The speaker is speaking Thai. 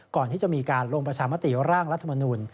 ก่อนที่จะมีการลงประชามติร่างรัฐมนุน